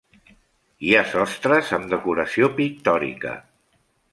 Hi ha sostres amb decoració pictòrica.